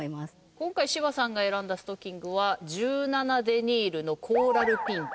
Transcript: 今回芝さんが選んだストッキングは１７デニールのコーラルピンク。